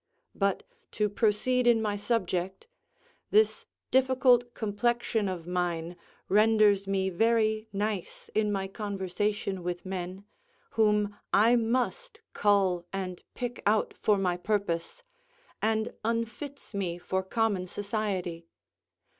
But, to proceed in my subject, this difficult complexion of mine renders me very nice in my conversation with men, whom I must cull and pick out for my purpose; and unfits me for common society.